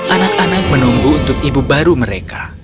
anak anak menunggu untuk ibu baru mereka